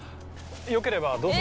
よければどうぞ。